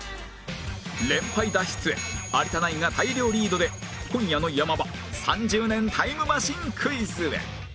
連敗脱出へ有田ナインが大量リードで今夜の山場３０年タイムマシンクイズへ